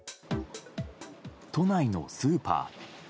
都内のスーパー。